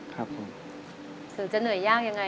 ครับผม